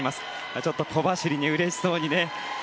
ちょっと小走りにうれしそうにね。